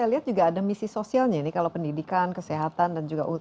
saya lihat juga ada misi sosialnya ini kalau pendidikan kesehatan dan juga usia